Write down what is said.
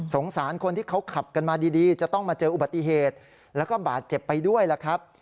สารคนที่เขาขับกันมาดีจะต้องมาเจออุบัติเหตุแล้วก็บาดเจ็บไปด้วยล่ะครับ